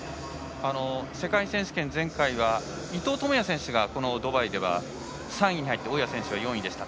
世界選手権、前回は伊藤智也選手がドバイで３位に入って大矢選手は４位でした。